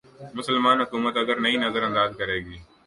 مسلماںحکومت اگر انہیں نظر انداز کرے گی۔